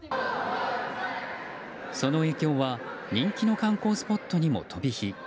その影響は人気の観光スポットにも飛び火。